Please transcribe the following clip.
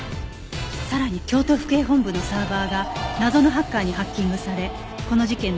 さらに京都府警本部のサーバーが謎のハッカーにハッキングされこの事件の情報が流出